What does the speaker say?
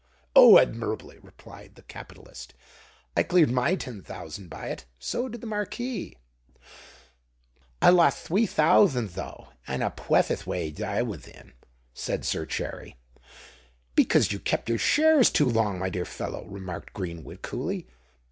"Oh! admirably," replied the capitalist. "I cleared my ten thousand by it: so did the Marquis." "But I lotht thwee thouthand, though—and a pwethiouth wage I wath in," said Sir Cherry. "Because you kept your shares too long, my dear fellow," remarked Greenwood coolly.